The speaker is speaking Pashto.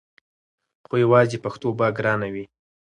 خو یواځې پښتو به ګرانه وي!